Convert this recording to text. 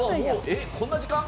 えっこんな時間？